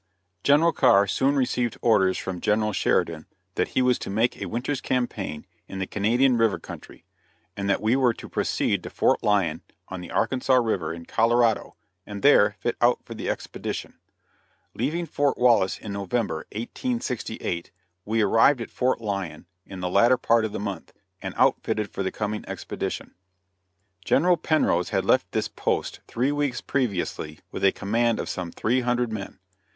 General Carr soon received orders from General Sheridan that he was to make a winter's campaign in the Canadian river country, and that we were to proceed to Fort Lyon, on the Arkansas river, in Colorado, and there fit out for the expedition. Leaving Fort Wallace in November, 1868, we arrived at Fort Lyon in the latter part of the month, and outfitted for the coming expedition. General Penrose had left this post three weeks previously with a command of some three hundred men.